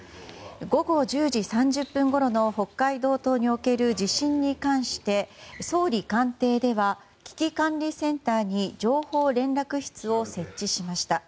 午後１０時３０分ごろの北海道東の地震に関して、総理官邸では危機管理センターに情報連絡室を設置しました。